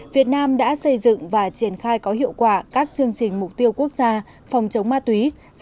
việt nam đã xây dựng và triển khai có hiệu quả các chương trình mục tiêu quốc gia phòng chống ma túy